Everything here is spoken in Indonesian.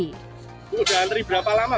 dari berapa lama